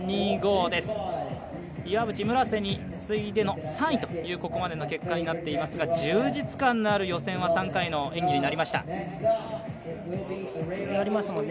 岩渕、村瀬に次いでの３位というここまでの結果になっていますが充実感のある予選を３回の演技になりました。